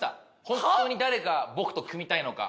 本当に誰が僕と組みたいのか。